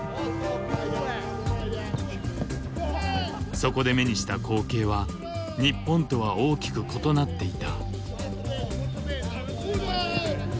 そこで目にした光景は日本とは大きく異なっていた。